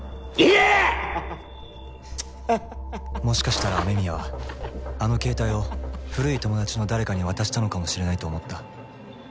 もしかしたら雨宮はあの携帯を古い友達の誰かに渡したのかもしれないと思った。